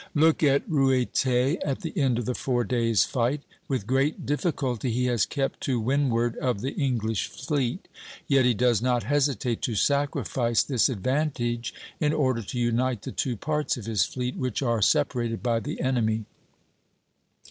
Look at Ruyter, at the end of the Four Days' Fight; with great difficulty he has kept to windward of the English fleet, yet he does not hesitate to sacrifice this advantage in order to unite the two parts of his fleet, which are separated by the enemy.